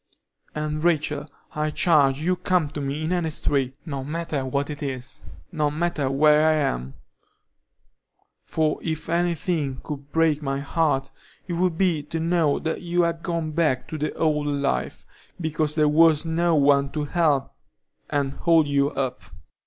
"And, Rachel, I charge you to come to me in any strait, no matter what it is, no matter where I am; for if any thing could break my heart, it would be to know that you had gone back to the old life, because there was no one to help and hold you up."